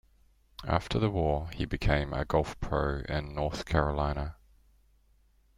After the war, he became a golf pro in North Carolina.